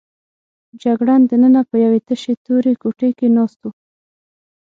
جګړن دننه په یوې تشې تورې کوټې کې ناست و.